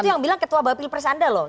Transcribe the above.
itu yang bilang ketua bapil pres anda loh